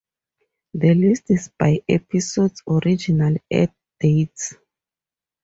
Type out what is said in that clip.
The list is by episodes' original air dates.